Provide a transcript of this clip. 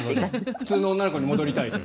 普通の女の子に戻りたいと。